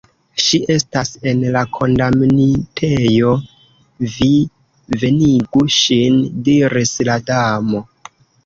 "Ŝi estas en la kondamnitejo, vi venigu ŝin," diris la Damo.